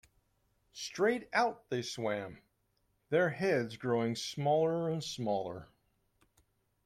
Straight out they swam, their heads growing smaller and smaller.